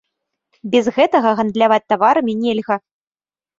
Без гэтага гандляваць таварамі нельга.